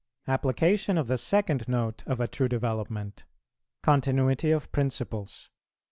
APPLICATION OF THE SECOND NOTE OF A TRUE DEVELOPMENT. CONTINUITY OF PRINCIPLES.